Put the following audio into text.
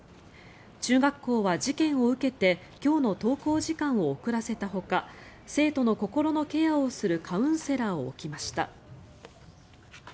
中学校は事件を受けて今日の登校時間を遅らせたほか生徒の心のケアをするカウンセラーを置きました。